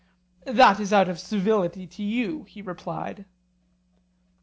That is out of civility to you, he replied.